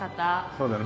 そうだよね。